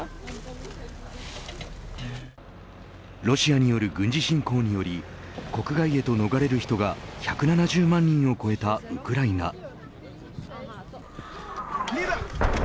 ロシアによる軍事侵攻により国外へと逃れる人が１７０万人を超えたウクライナ。